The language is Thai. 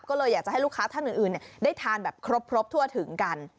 ก็เลยอยากจะให้ลูกค้าท่านอื่นได้ทานแบบครบทั่วถึงกัน